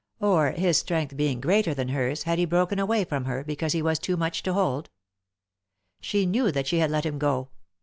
Or, his strength being greater than hers, had he broken away from her, because he was too much to hold 7 She knew that she had let him go.